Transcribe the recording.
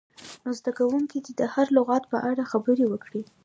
نور زده کوونکي دې د هر لغت په اړه خبرې وکړي.